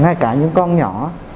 ngay cả những con nhỏ